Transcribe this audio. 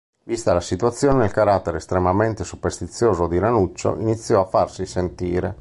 Vista la situazione, il carattere estremamente superstizioso di Ranuccio iniziò a farsi sentire.